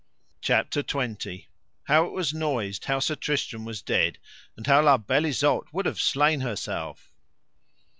CHAPTER XIX. How it was noised how Sir Tristram was dead, and how La Beale Isoud would have slain herself.